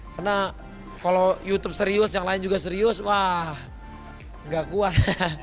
karena kalau youtube serius yang lain juga serius wah nggak kuat